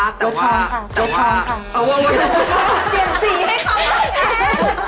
โลพังแล้วเพียงสีให้เขาแท้